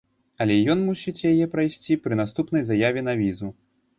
Але ён мусіць яе прайсці пры наступнай заяве на візу.